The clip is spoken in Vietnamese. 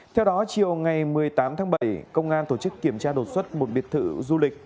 theo đó chiều ngày một mươi tám tháng bảy công an tổ chức kiểm tra đột xuất một biệt thự du lịch